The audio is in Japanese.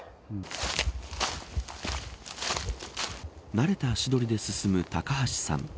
慣れた足取りで進む高橋さん。